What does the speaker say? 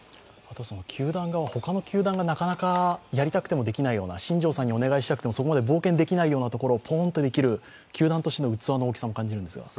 他の球団がなかなかやりたくてもやれないよう新庄さんにお願いしたくても、そこまで冒険できないようなことがぽーんとできる球団としての器の大きさも感じるんですよ。